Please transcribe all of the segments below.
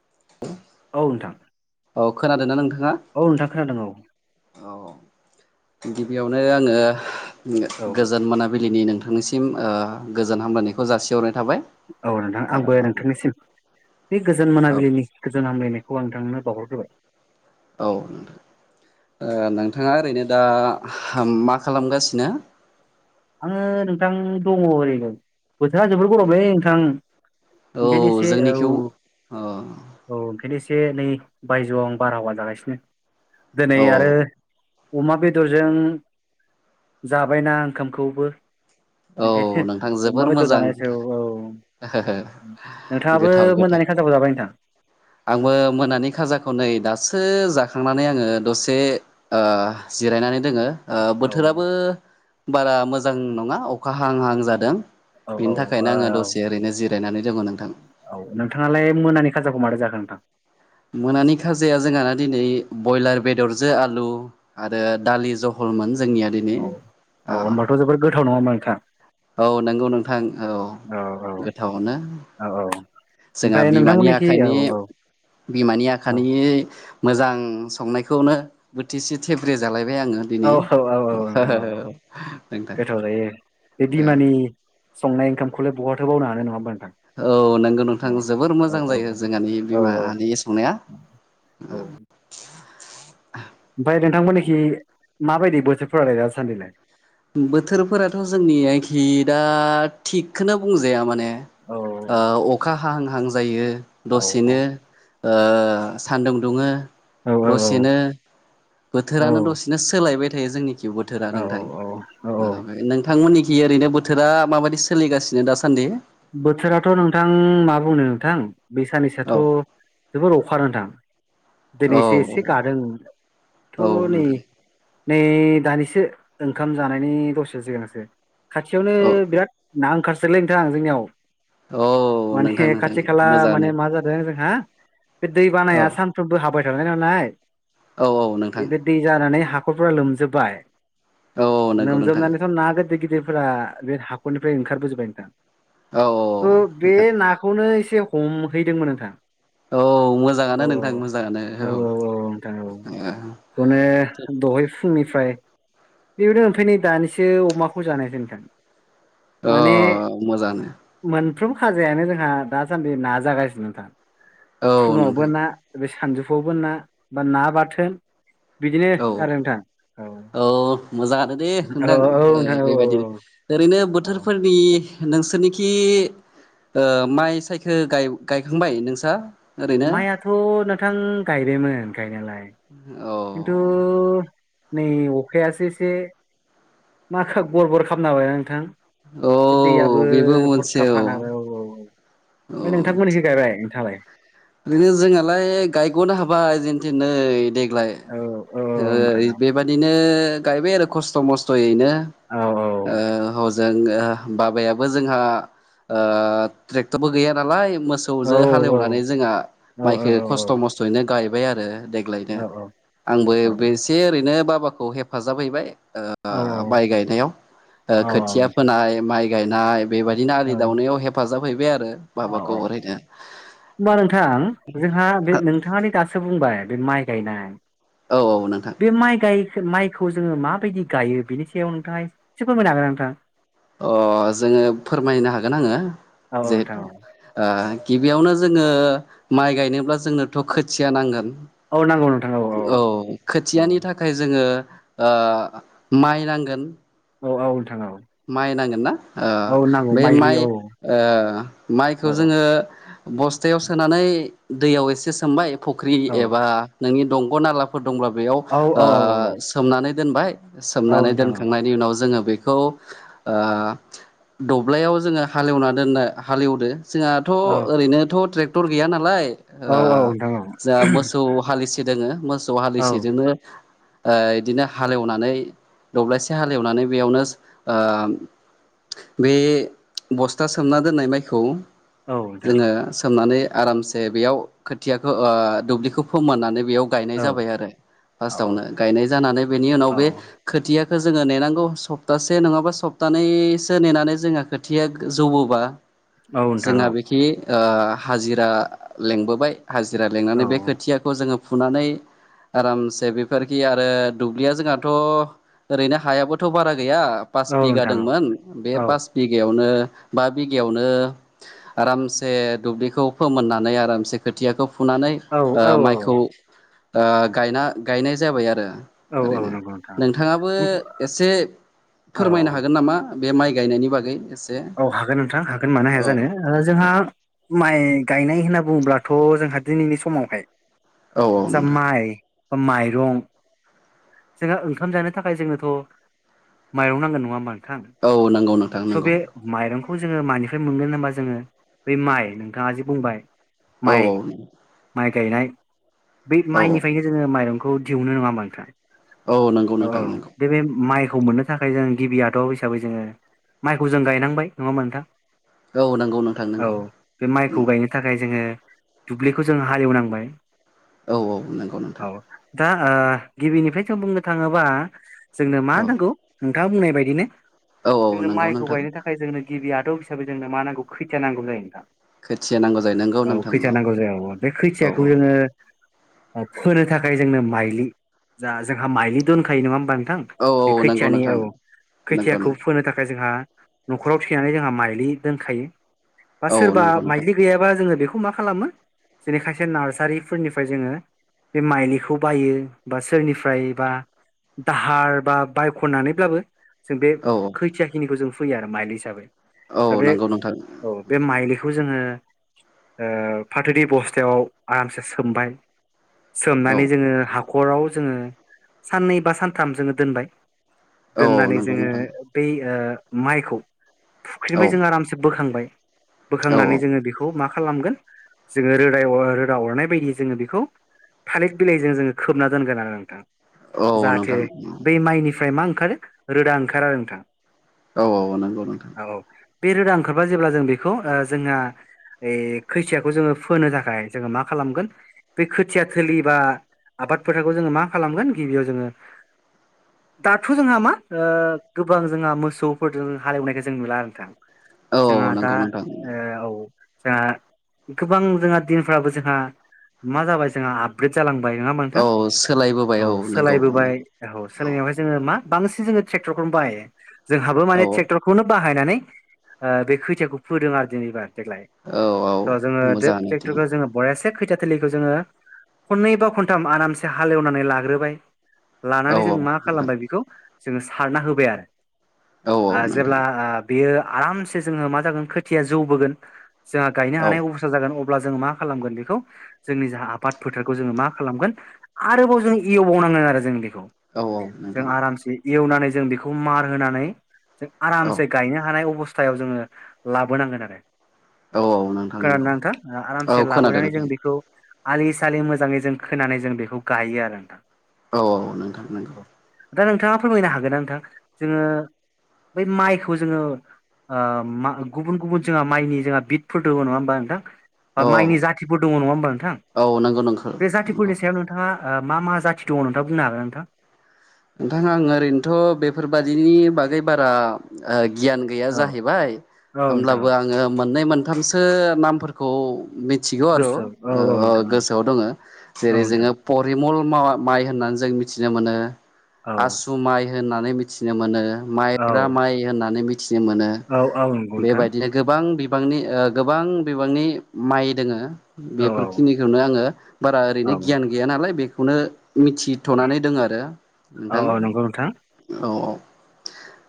[inaudible] औ नोंथां। औ खोनादों नों औ नोंथां खोनादों औ। गिबियावनो आङो औ नोंथां गोजोन मोनाबिलिनि नों नोंनिसिम ओ गोजोन हामलायनायखौ जासिहर औ नोंथां आंबो नोंथांनिसिम बे गोजोन मोनाबिलिनि गोजोन हामलायनाय खौ आं नोंथांनो बावहरग्रोबाय। औ। ओ नोंथाङा ओरैनो दा मा खालामगासिनो? आङो नोंथां दङ ओरैनो बोथोरा जोबोद गरमलै नोंथां। औ ओंखायनो एसे औ जोंनिखिव औ औ ओंखायनो एसे नै बायजोआव आं बारहावा जागासिनो दोनै औ आरो अमा बेदरजों जाबायना ओंखामखौबो औ बेखायनो नोंथां अमा जोबोर बेदद मोजां जानायसै औ औ। नोंथाङाबो गोथाव गोथाव मोनानि खाजाखौ जाबाय नोंथां। आंबो मोनानि खाजाखौ नै दासो जा खांनानै आङो दसे ओ जिरायनानै दोङो ओ औ बोथोराबो बारा मोजां नङा अखा हां हां जादों औ बेनि औ थाखायनो आङो औ दसे ओरैनो जिर औ नोंथाङालाय मोनानि खाजाखौ मारै जाखो नोंथां। मोनानि खाजाया जोंहाना दिनै बयलार बेदरजो आलु आरो दालि जहलमोन जोंनिया दिनै। औ औ होमबाथ' जोबोर गोथाव नङा होमबा नोंथां औ नंगौ नोंथां औ औ औ गोथावयानो। औ जोंहा ओमफ्राय बिमानि नोंथांमोननिखि औ आखाइनि औ बिमानि औ आखानि मोजां संनायखौनो बोथिसे थेब्रे जालाय बाय आङो औ दिनै औ औ औ नोंथां औ औ नोंथां। गोथाव जायो बे बिमानि संनाय ओंखामखौलाय बहाथो बावनो हानो नङा होमबा। नोंथां औ नंगौ नोंथां औ जोबोर औ मोजां जायो जोंहानि औ औ औ बिमानि संनाया औ। ओमफाय नोंथांमोनखि माबायदि बोथोरफ्रालाय दासान्दिलाय? बोथोरफोराथ जोंनि आयखि दा थिगखोनो बुंजाया माने औ ओ अखा हाहां हां जायो औ औ दसेनो ओ सान्दुं दुङो औ औ दसेनो बोथोरानो दसेनो सोलायबाय थायो जोंनि। बोथोरा औ नोंथां औ औ नोंथांमोननिखि ओरैनो बोथोरा माबायदि सोलिगासिनो दासान्दि? बोथोराथ' नोंथां मा बुंनो नोंथां। बे औ सानैसोआथ' जोबोर अखा नोंथां। औ दिनैसो एसे गादोंथ' औ नै नोंथां नै दानिसो ओंखाम जानायनि दसे सिगोनांसो खाथियावनो औ बिराद नाहांखारसोलै नोंथां जोंनियाव। औ नोंथां माने नोंथां खाथि खाला मोजाङानो माने मा जादों जोंहा बे दै औ बानाया सानफ्रोमबो हाबाय देरबायनालाय औ औ नोंथां बे दै जानानै हाखरफोरा लोमजोबबाय औ नंगौ नोंथां लोमजोबनानैथ' ना गिदिर गिदिरफोरा बे हाखरनिफ्राय ओंखारबोजोबबाय नोंथां औ ओ बे नोंथां नाखौनो एसे हमहैदोंमोन नोंथां औ औ मोजाङानो नोंथां मोजाङानो औ ओ खौनो दहाय फु फुंनिफ्राय बेबायदिनो मोनफैनाय दानिसो अमाखौ जानायसै नोंथां अ माने मजां मोनफ्रोम खाजायानो जोंहा दासान्दि ना जागासिनो नोंथां औ फुङावबो नोंथां ना बे सानजौफुआवबो ना बा ना बाथोन बिदिनो औ आरो नोंथां औ मोजाङानो दे औ नोंथां औ नोंथां औ बेबायदिनो ओरैनो औ बोथोरफोरनि नोंसोरनिखि ओ माइ सायखो गायखांबाय नोंसोर माइयाथ' नोंथां गायबायमोन गायनायालाय औ खिन्थु नै अखायासो एसे माखा गरबर खालामना होबाय ना नोंथां औ बे दैयाबबो बेबो हरखाफ हानाहोबाय औ औ औ अ नोंथांमोननिखै गायबाय नोंथाङालाय ओरैनो जोंनालाय गायग'नो हाबाय जेनथेन नै देग्लाय औ औ ओ नोंथां औ बेबायादिनो गायबाय आरो खस्थ' मस्थ'यैनो अ हजों ओ बाबायाबो जोंहा ओ ट्रेक्टरबो गैया नालाय औ मोसौजों हालेवनानै जोंहा औ माइखो खस्थ' मस्थ'यैनो गायबाय आरो देग्लायनो औ औ आंबो बे एसे ओरैनो बाबाखौ हेफाजाब हैबाय औ ओ माइ गायनायाव ओ औ औ खोथिया फोनाय माइ गायनाय बेबायदिनो औ आलि जावनायाव हेफाजाब हैबाय आरो औ औ बाबाखौ ओरैनो होनबा नोंथां जोंहा बे नोंथाङानि दासो बुंबाय बे माइ गायनाय औ औ नोंथां बे माइ गाय माइखौ जोङो माबायदि गायो बेनि सायाव नोंथाङा एसे फोरमायनो हागोन नोंथाङा अ जोङो फोरमायनो हागोन आङो हागोन ना नोंथां? औ नोंथां जिहेथु औ ओ गिबियावनो जोङो माइ गायनोब्ला जोंनोथ' खोथिया नांगोन औ नांगौ नोंथां औ खोथियानि थाखाय जोङो ओ माइ नांगोन औ औ नोंथां औ माइ नांगोन ना औ ओ नांगौ बे माइलि माइ औ ओ औ माइखौ जोङो बस्थायाव सोनानै दैयाव एसे सोमबाय फुख्रि औ एबा नोंनि दंग' नालाफोर दंब्ला बेयाव औ ओ औ औ सोमनानै दोनबाय सोमनानै नोंथां औ दोनखांनायनि उनाव जोङो बेखौ ओ दब्लायाव जोङो हालेवना दोननो हालेवदो जोंहाथ' औ ओरैनोथ' ट्रेक्टर गैया नालाय ओ औ औ नोंथां औ नोंथां औ जों मोसौ हालि से दङो मोसौ औ हालिसेजोंनो ओ बिदिनो हालेवनानै दब्लायसे हालेवनानै बेयावनो ओ बे बस्था सोमना दोननाय माइखौ औ औ जोङो सोमनानै आरामसे बेयाव खोथियाखौ ओ दुब्लिखौ फोमोननानै बेयाव गायनाय जाबाय आरो फार्स्टावनो गायनाय जानानै बेनि उनाव बे खोथिया खो जोङो नेनांगौ सप्ता से नङाबा सप्तानैसो नेनानै जोंङो खोथिया जौबोबा। नोंथां जोंहा औ बेखि ओ हाजिरा लिंबोबाय। हाजिरा औ लिंनानै बे खोथियाखौ जोङो फुनानै। आरामसे बेफोरखि आरो दुब्लिया जोंहाथ ओरैनो हायाबोथ बारा गैया। पास औ बिघा नोंथां औ दंमोन बे औ पास बिगायावनो। बा बिगायावनो आरामसे दुब्लिखौ फोमोननानै आरामसे खोथियाखौ फुनानै औ ओ औ औ माइखौ ओ गायना गायनाय जाबाय आरो। ओरैनो नंगौ नोंथां नोंथाङाबो एसे औ फोरमायनो हागोन नामा? बे माइ गायनायनि बागै। एसे औ हागोन नोंथां हागोन मानो हाया औ जानो। दे जोंहा माइ गायनाय होनना बुङोब्लाथ' जोंहा दिनैनि समावहाय औ जा नोंथां माइ माइरं जोंहा ओंखाम जानो थाखाय जोंनोथ' माइरं नांगोन नङा होमबा? नोंथां औ नंगौ नोंथां स' नंगौ। बे माइरंखौ जोङो मानिफ्राय मोनगोन होनबा जोङो बै माइ नोंथाङा जि बुंबाय। औ माइ माइ गायनाय बे औ माइनिफ्रायनो जोङो माइरं खौ दिहुनो नङा होनबा नोंथां औ नंगौ ओ नोंथां नंगौ बे बे माइ खौ मोननो थाखाय जों गिबि आदब हिसाबै जोङो माइखौ जों गायनांबाय नङा होनबा नोंथां। औ नंगौ नोंथां औ नंगौ बे माइखौ गायनो थाखाय जोङो। दुब्लिखौ जों हालेव नांबाय। औ औ नंगौ नोंथां। दा ओ गिबिनिफ्रायथ बुंनो थाङोबा जोंनो मा औ नांगौ। दा बुंनाय बायदिनो। औ औ नंगौ नो खौ गायनो थाखाय जोंनो गिबि आदब हिसाबै जोंनो मा नांगौ खैथिया नांगौ जायो नोंथां। खोथिया नांगौ जायो नंगौ औ नोंथां खैथिया नांगौ जायो। औ बे औ खैथियाखौ जोङो। फोनो थाखाय जोंनो माइलि जा जोंहा माइलि दोनखायो नङा होमबा थां औ बे औ नंगौ खैथियानि औ नोंथां नंगौ खोथियाखौ नंगौ फोनो थाखाय जोंहा। न'खराव थिनानै जोंहा माइलि दोनखायो। बा औ सोरबा नंगौ नोंथां माइलि गैयाबा जोङो बेखौ मा खालामो जेरै खायसे नार्सारिफोरनिफ्राय जोङो। बे माइलिखौ बायो। बा सोरनिफ्राय बा दाहार बा बायखनानैब्लाबो जों बे औ खैथिया खिनिखौ जों फोयो आरो माइलि हिसाबै। औ दा बे नंगौ नोंथां औ बे माइलिखौ जो जोङो ओ फाथोनि बस्थायाव आरामसे सोमबाय। औ सोमनानै जोङो हाखराव जोङो साननै बा सानथाम जोङो दोनबाय। औ दोननानै नंगौ जोङो नोंथां बै ओ माइखौ औ फुख्रिनिफ्राय जोङो आरामसे बोखांबाय औ बोखांनानै जोङो बेखौ मा खालामगोन जोङो रोदाव ओ रोदा अरनाय बायदि जोङो बेखौ थालिद बिलाइजों जोङो खोबना दोनगोन आरो नोंथां। औ जाहाथे नोंथां बै माइनिफ्राय मा खारो रोदा ओंखार आरो नोंथां। औ औ नंगौ नोंथां। औ औ बे रोदा ओंखारबा जेब्ला जों बेखौ ओ जोंना ए खोथियाखौ जोङो फोनो थाखाय जोङो मा खालामगोन बे खोथिया थोलि बा आबाद फोथारखौ जोङो मा खालामगोन गिबियाव जोङो। दाथ' जोंहा मा ओ गोबां जोंहा मोसौफोरजों हालेवनायखौ जों नुला आरो नोंथां। औ जोंहा दा नंगौ नोंथां ओ औ। जोंहा गोबां जोंहा दिनफ्राबो जोंहा मा जाबाय जोंहा आपग्रेड जालां बायोना मोनथां औ सोलायबोबाय औ नंगौ सोलायबोबाय औ सोलायनायावहाय जोङो मा बांसिन जोङो ट्रेक्टरखौनो बाहायो। जोंहाबो माने औ ट्रेक्टरखौनो बाहायनानै ओ बे खैथियाखौ फोदों आरो दिनैबार देग्लाय औ औ ओ जोङो देथ मोजाङानो थिग ट्रेक्टरखो जोङो बयासे खोथिया थिलिखो जोङो खनै बा खनथाम आरामसे हालेवनानै लाग्रोबाय। औ लानानै जों मा नोंथां खालामबाय बेखौ जोङो सारना होबाय आरो। औ औ ओ नोंथां जेब्ला ओ बेयो आरामसे जोङो मा जागोन खोथिया जौबोगोन। जोहा गायनो औ हानाय अबस्था जागोन। अब्ला जोङो मा खालामोन बेखौ जोंनि जों आबाद फोथारखौ जोङो मा खालामगोन आरोबाव जों एवबाव नां आरो जों बेखौ औ जों नोंथां आरामसे एवनानै जों बेखौ मार होनानै जों औ आरामसे गायनो हानाय अबस्थायाव जोंङो लाबोनांगोन आरो। औ औ नोंथां खोनादोना नंगौ नोंथां आरामसे औ खोनादों लाबोनानै नोंथां जों बेखौ आलि सालि मोजाङै जों खोनानै जों बेखौ गायो आरो नोंथां। औ औ नोंथां नोंगौ। औ दा नोंथाङा फोरमायनो हागोना नोंथां जोंङो बै माइखौ जोंङो ओ गुबुन गुबुन जोंहा माइनि जोंहा बिदफोर दंङ नङा होमबा नोंथां बा औ माइनि जाथिफोर दंङ नङा होमबा नोंथां औ नंगौ नंगौ बे नंगौ जाथिफोरनि सायाव नोंथाङा ओ मा मा जाथि दङ नोंथांङा बुंनो हागोन नोंथां। नोंथाङा आं ओरैनोथ' बेफोरबादिनि बागै बारा ओ गियान गैया औ जाहैबाय औ नोंथां होमब्लाबो औ आंङो मोननै मोनथामसो नामफोरखौ मिथिगौ आर' गोसोआव औ ओ नोंथां औ गोसोआव दंङ औ जेरै नोंथां जोंङो परिमल माइ होननानै जों मिथिनो मोनो औ आसु माइ होननानै मिथिनो मोनो औ माइब्रा माइ होननानै मिथिनो मोनो औ नंगौ नोंथां बेबायदिनो गोबां बि बांनि ओ गोबां बिबांनि माइ दोंङो। औ औ बेफोरखिनिखौनो आंङो बारा ओरैनो औ गियान गैया नालाय बे खौनो मिथिथ'नानै दों आरो। औ नोंथां औ नंगौ नोंथां औ औ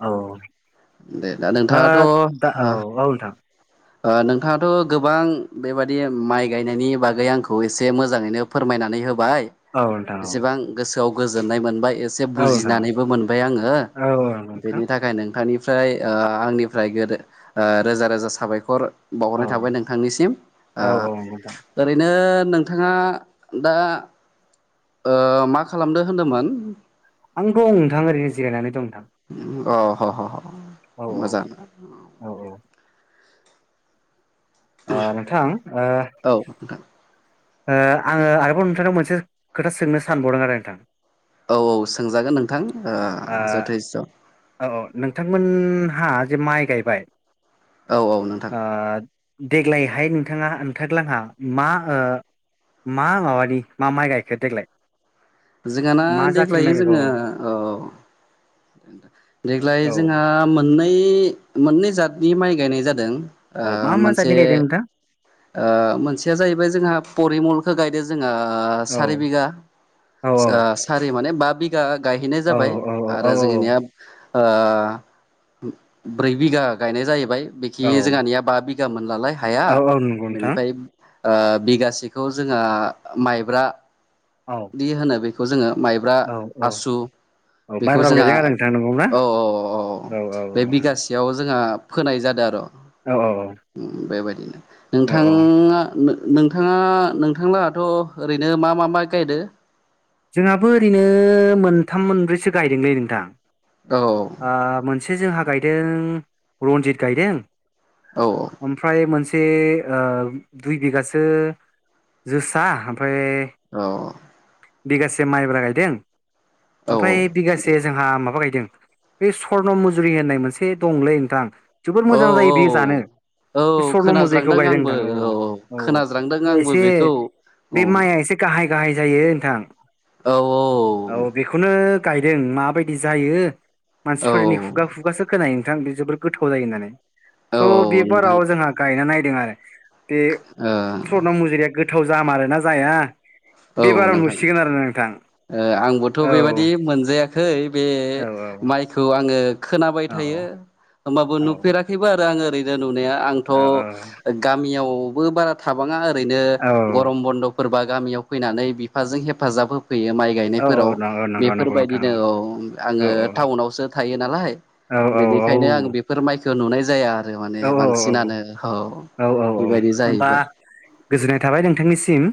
औ दे दा औ नोंथाङाथ' ओ दा औ औ नोंथां ओ नोंथाङाथ' गोबां बेबादि माइ गायनायनि बागै आंखौ एसे मोजाङैनो फोरमायनानै हो बाय औ नोंथां एसेबां गोसोआव गोजोननाय मोनबाय। एसे औ नोंथां बुजिनानैबो मोनबाय आंङो औ औ औ नोंथां बेनि थाखाय नोंथांनि ओमफ्राय ओ आंनिफ्राय गोदो ओ रोजा रोजा साबायखर औ बावहरनाय थाबाय नोंथांनिसिम ओ औ औ नंगौ नोंथां ओरैनो नोंथाङा दा ओ मा खालामदो होन्दोंमोन आं दं नोंथां ओरैनो जिरायनानै दं। नोंथां अम अ ह-ह औ मोजां औ ओ नोंथां ओ औ नोंथां ओ आंङो आरोबाव नोंथांनाव मोनसे खोथा सोंनो सानबावदों आरो नोंथां। औ सोंजागोन नोंथां ओ जथेस्थ' ओ औ नोंथांमोन हा जे माइ गायबाय औ औ नोंथां। ओ देग्लायहाय नोंथाङा नोंथांग्लांहा मा ओ मा माबानि मा माइ गायखो देग्लाय जोंआना मा जाथिनि माइ देग्लायो गायखो जोंङो अ देग्लाय औ जोंहा मोननै-मोननै जातनि माइ गायनाय जादों। ओ औ मा मा मोनसे जातनि गायदों नोंथां ओ मोनसेया जाहैबाय जोंहा परिमलखो गायदो। जोंङो औ सारि बिगा औ ओ सारि माने बा बिघा गायहैनाय औ जाबाय। औ औ आरो जोंङोनिया ओ ब्रै बिगा गायनाय जाहैबाय। बिखि औ जोंहानिया बा बिगाम मोनलालाय हाया औ औ नंगौ नोंथां बेनिफाय ओ बिगासेखौ जोंङा माइब्रा औ दि होनो बेखौ जोंङो माइब्रा औ औ आसु औ बेखौ माइब्राबो जोंहा गायदों आरो नोंथां नंगौ ना औ औ औ बे बिगासेयाव जोंहा फोनाय जादो आर औ औ औ औ नोंथाङा नोंथांङा नोंथांलाहाथ' ओरैनो मा मा माइ गायदो जोंहाबो ओरैनो मोनथाम मोनब्रैसो गायदोंलै नोंथां औ आ मोनसे जोंहा गायदों रनजित गायदों औ ओमफ्राय मोन थे ओ दुइ बिगासो जोसा फाय औ बिगासे माइब्रा गायदों। औ ओमफाय औ बिगासे जोंहा माबा गायदों बे स्वर्न मुजुरि होननाय मोनसे दंलै नोंथां जबोद औ मोजां जायो बे जानो। बे औ स्वर्न मुजुरिखौ खोनाज्रांदों गायदों आंबो नोंथां औ औ खोनाज्रांदों आंबो एसे बेखौ औ बे माइआ एसे गाहाय गाहाय जायो नोंथां [inaudible] औ बेखौनो गायदों माबायदि जायो औ मानसिफोरनि खुगा खुगासो खोनायो थां बि जबोर गोथाव जायो होननानै औ स' बिबाराव नोंथां जोंहा गायना नायदों आरो। बे स्वर्न मुजुरिया गोथाव जामारोना जाया। औ बेबाराव नोंथां, नुसिगोन आरो नोंथां ओ आंबोथ' औ बेबादि मोनजाया खै बे औ माइखौ आङो खोनाबाय औ थायो। होमबाबो औ नुफेराखैबो आरो आं ओरैनो नुनाया आंथ' गामियाव बो बारा थाबाङा ओरैनो औ गरम बन्द'फोरबा गामियाव फैनानै बिफाजों हेफाजाब होफ फैयो माइ औ औ गायनायफोराव नंगौ नंगौ नंगौ नोंथां बेफोरबायदिनो औ आङो औ टाउनावसो थायो नालाय। औ औ औ बेनिखायनो आं बेफोर माइखो नुनाय जाया आरो माने औ बांसिनानो औ औ औ बेबायदि होमबा जाहैबाय। गोजोननाय थाबाय नोंथांनिसिम।